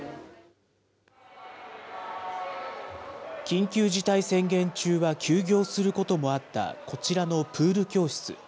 緊急事態宣言中は休業することもあった、こちらのプール教室。